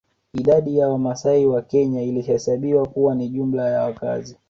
Idadi ya Wamasai wa Kenya ilihesabiwa kuwa ni jumla ya wakazi